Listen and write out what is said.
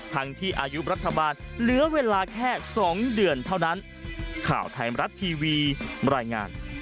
ทั้งที่อายุรัฐบาลเหลือเวลาแค่๒เดือนเท่านั้น